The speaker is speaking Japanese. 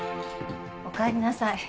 おかえりなさい。